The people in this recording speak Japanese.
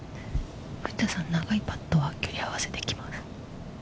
藤田さん、長いパットは距離を合わせてきます。